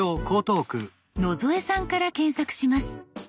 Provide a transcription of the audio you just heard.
野添さんから検索します。